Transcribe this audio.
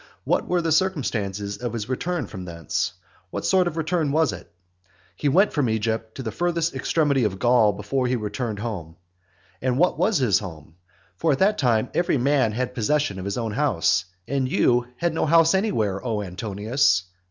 What were the circumstances of his return from thence? what sort of return was it? He went from Egypt to the furthest extremity of Gaul before he returned home. And what was his home? For at that time every man had possession of his own house; and you had no house anywhere, O Antonius.